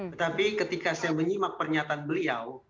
tetapi ketika saya menyimak pernyataan beliau